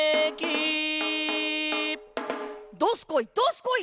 どすこい！